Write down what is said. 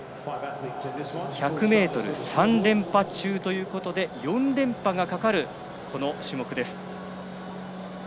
１００ｍで３連覇中ということで４連覇がかかるこの種目です。